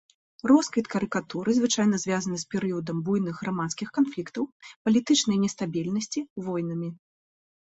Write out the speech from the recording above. Росквіт карыкатуры звычайна звязаны з перыядам буйных грамадскіх канфліктаў, палітычнай нестабільнасці, войнамі.